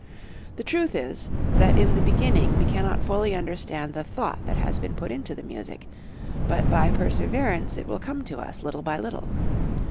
The truth is, that in the beginning we cannot fully understand the thought that has been put into the music, but by perseverance it will come to us little by little.